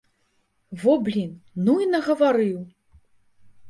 Во блін, ну і нагаварыў!